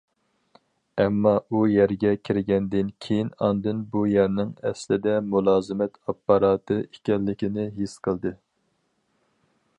ئەمما ئۇ يەرگە كىرگەندىن كېيىن ئاندىن بۇ يەرنىڭ ئەسلىدە مۇلازىمەت ئاپپاراتى ئىكەنلىكىنى ھېس قىلدى.